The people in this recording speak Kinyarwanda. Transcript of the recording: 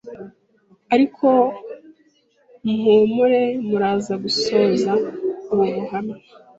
ariko muhumure muraza gusoza ubu buhamya